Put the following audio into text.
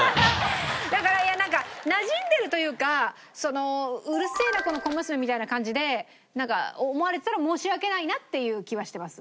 だからなじんでるというか「うるせえなこの小娘」みたいな感じで思われてたら申し訳ないなっていう気はしてます。